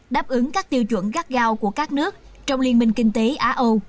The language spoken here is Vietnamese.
đáp ứng các tiêu chuẩn gắt gao của các nước trong liên minh kinh tế á âu